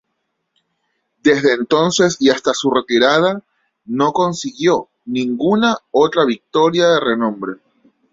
Desde entonces y hasta su retirada, no consiguió ninguna otra victoria de renombre.